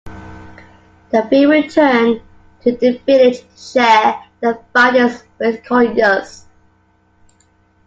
The three return to the village to share their findings with Colyus.